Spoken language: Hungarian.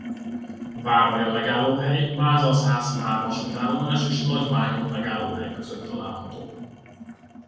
Váralja megállóhely Máza-Szászvár vasútállomás és Nagymányok megállóhely között található.